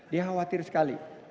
dia khawatir sekali